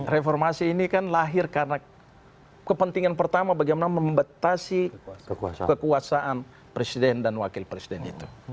reformasi ini kan lahir karena kepentingan pertama bagaimana membetasi kekuasaan presiden dan wakil presiden itu